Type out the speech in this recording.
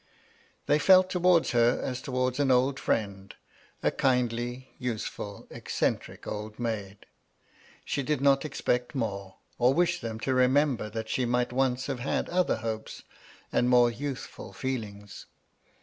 They felt towards her as towards an old friend, a kindly, useful, eccentric old maid. She did not expect more, or wish them to remember that she might once have had other hopes, and more youthftd feelings.